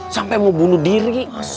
sampe mau bunuh diri